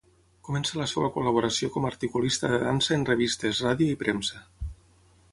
Comença la seva col·laboració com articulista de dansa en revistes, ràdio i premsa.